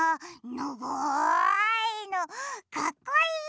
ながいのかっこいい！